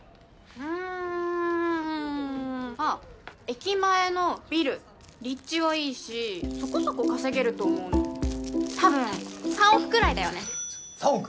うーんあっ駅前のビル立地はいいしそこそこ稼げると思多分３億くらいだよね３億？